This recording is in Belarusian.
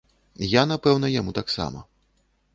Я, напэўна, яму таксама.